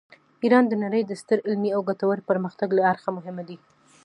ایران د نړۍ د ستر علمي او کلتوري پرمختګ له اړخه مهم دی.